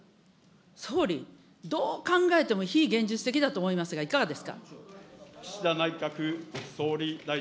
総理、どう考えても非現実的だと思いますが、いかがですか。